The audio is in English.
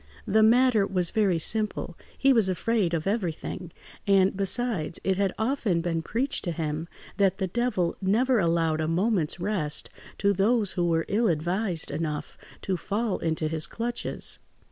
The matter was very simple: he was afraid of everything; and, besides, it had often been preached to him that the Devil never allowed a moment's rest to those who were ill advised enough to fall into his clutches.